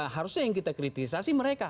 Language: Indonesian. harusnya yang kita kritisasi mereka